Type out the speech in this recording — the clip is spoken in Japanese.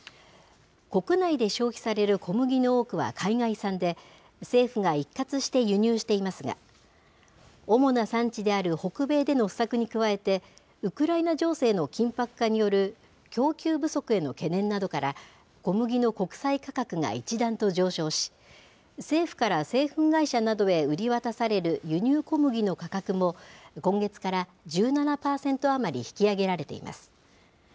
国内で消費される小麦の多くは海外産で、政府が一括して輸入していますが、主な産地である北米での不作に加えて、ウクライナ情勢の緊迫化による供給不足への懸念などから、小麦の国際価格が一段と上昇し、政府から製粉会社などへ売り渡される輸入小麦の価格も今月から１７％余り引き上げられています。